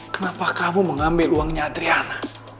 kenapa kamu mengambil uangnya adriana